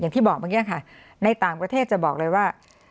อย่างที่บอกเมื่อกี้ค่ะในต่างประเทศจะบอกเลยว่า